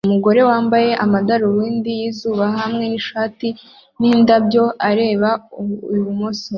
Umugore wambaye amadarubindi yizuba hamwe nishati yindabyo areba ibumoso